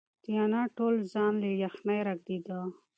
د انا ټول ځان له یخنۍ رېږدېده.